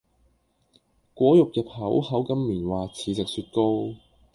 果肉入口口感棉滑似食雪糕